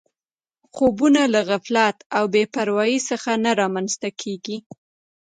خوبونه له غفلت او بې پروایۍ څخه نه رامنځته کېږي